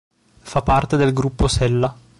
Fa parte del gruppo Sella.